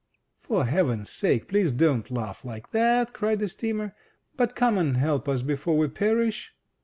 "For heaven's sake, please don't laugh like that," cried the steamer, "but come and help us, before we perish!"